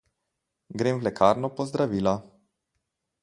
Grem v lekarno po zdravila.